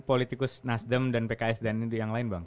politikus nasdem dan pks dan yang lain bang